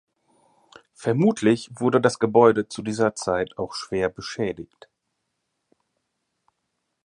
Vermutlich wurde das Gebäude zu dieser Zeit auch schwer beschädigt.